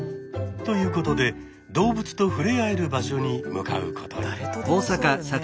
ということで動物と触れ合える場所に向かうことに。